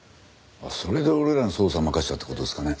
それで俺らに捜査任したって事ですかね？